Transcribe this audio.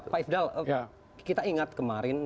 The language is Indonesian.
pak ifdal kita ingat kemarin beberapa hari lalu